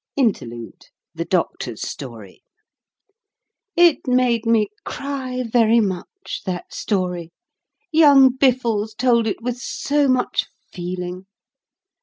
INTERLUDE THE DOCTOR'S STORY It made me cry very much, that story, young Biffles told it with so much feeling.